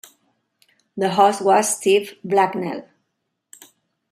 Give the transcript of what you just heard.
The host was Steve Blacknell.